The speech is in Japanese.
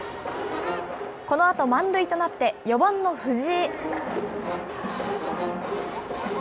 このあと満塁となって、４番の藤井。